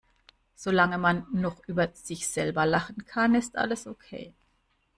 Solange man noch über sich selber lachen kann, ist alles okay.